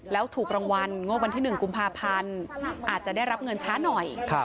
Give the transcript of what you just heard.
แล้วถูกรางวัลงวดวันที่๑กุมภาพันธ์อาจจะได้รับเงินช้าหน่อย